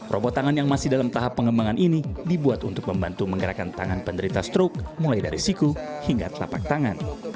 robot tangan yang masih dalam tahap pengembangan ini dibuat untuk membantu menggerakkan tangan penderita stroke mulai dari siku hingga telapak tangan